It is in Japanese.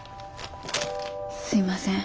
すいません。